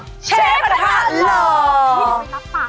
เชฟการะทาร่อ